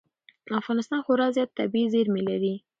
افغانستان خورا زیات طبعي زېرمې لري.